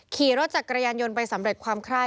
ขี่รถจักรยานยนต์ไปสำเร็จความไคร้